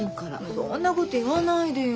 そんなこと言わないでよ。